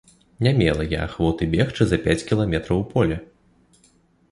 Не мела я ахвоты бегчы за пяць кіламетраў у поле.